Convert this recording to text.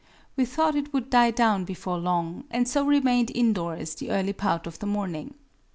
We thought it would die down before long, and so remained indoors the early part of the morning.